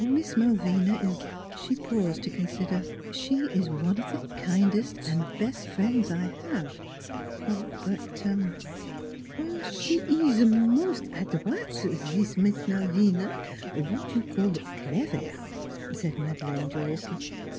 Miss Malvina is " She paused to consider: " She is one of the kindest and best friends I have. ... But "" S'e is mos' adrolte zat Mees Malvina, w'at you call clevaire," said Madeleine joyously.